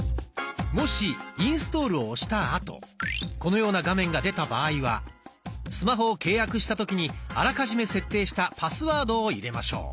もし「インストール」を押した後このような画面が出た場合はスマホを契約した時にあらかじめ設定したパスワードを入れましょう。